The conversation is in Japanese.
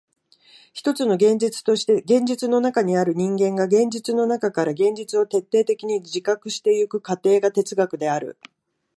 ひとつの現実として現実の中にある人間が現実の中から現実を徹底的に自覚してゆく過程が哲学である。